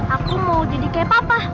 aku mau jadi kayak papa